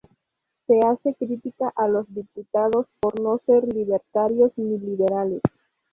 Se hace crítica a los diputados por no ser libertarios ni liberales.